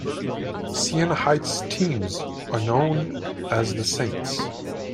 Siena Heights teams are known as the Saints.